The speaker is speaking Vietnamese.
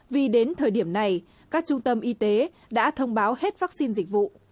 vì đến thời điểm này các trung tâm y tế đã thông báo hết vaccine dịch vụ